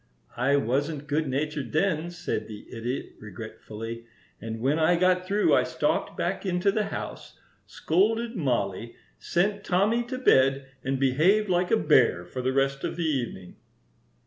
"I wasn't good natured then," said the Idiot, regretfully; "and when I got through I stalked back into the house, scolded Mollie, sent Tommy to bed, and behaved like a bear for the rest of the evening."